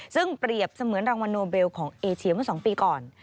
ซึ่งเปรียบเสมือนรางวัลโนเบลของเอเชียเมื่อ๒ปีก่อน